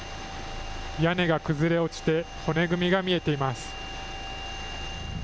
屋根が崩れ落ちて骨組みが見えています。